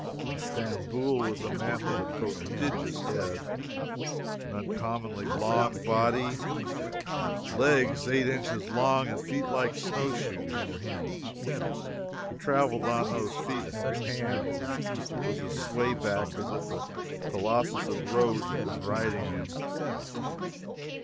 In Stamboul was a man with a prodigious head, an uncommonly long body, legs eight inches long and feet like snow shoes. He traveled on those feet and his hands, and was as sway backed as if the Colossus of Rhodes had been riding him.